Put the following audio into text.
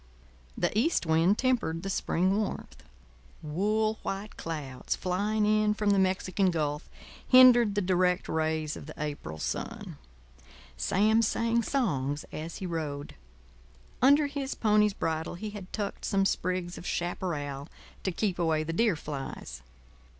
The east wind tempered the spring warmth; wool white clouds flying in from the Mexican Gulf hindered the direct rays of the April sun. Sam sang songs as he rode. Under his pony's bridle he had tucked some sprigs of chaparral to keep away the deer flies.